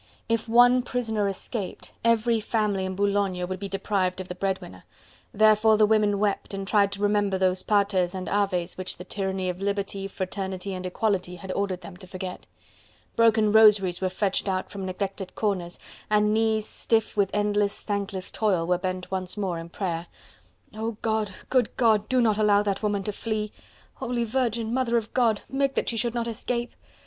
If one prisoner escaped, every family in Boulogne would be deprived of the bread winner. Therefore the women wept, and tried to remember those Paters and Aves which the tyranny of liberty, fraternity and equality had ordered them to forget. Broken rosaries were fetched out from neglected corners, and knees stiff with endless, thankless toil were bent once more in prayer. "Oh God! Good God! Do not allow that woman to flee!" "Holy Virgin! Mother of God! Make that she should not escape!"